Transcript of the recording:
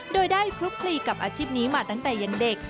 โดยได้คลุกคลีกับอาชีพนี้มาตั้งแต่ยังเด็ก